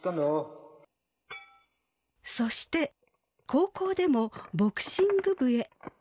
そして高校でもボクシング部へ。